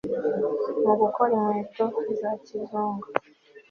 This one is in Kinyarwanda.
mu gukora inkweto za kizungu